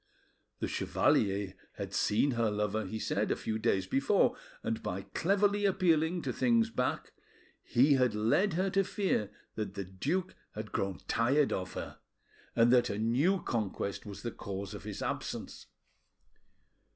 The chevalier had seen her lover, he said, a few days before, and by cleverly appealing to things back, he had led her to fear that the duke had grown tired of her, and that a new conquest was the cause of his absence.